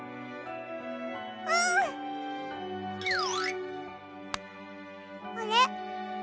うん！あれ？